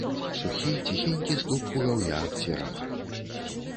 Сухі, ціхенькі стук пугаўя аб дзерава.